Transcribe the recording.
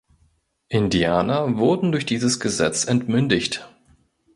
Indianer wurden durch dieses Gesetz entmündigt.